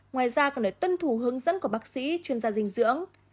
ngoài ra còn phải tuân thủ hướng dẫn của bác sĩ chuyên gia dinh dưỡng